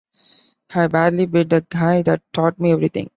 I barely beat the guy that taught me everything.